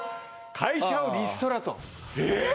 「会社をリストラ」とええっ！？